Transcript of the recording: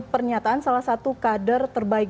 pernyataan salah satu kader terbaik